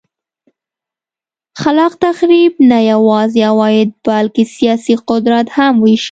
خلاق تخریب نه یوازې عواید بلکه سیاسي قدرت هم وېشه.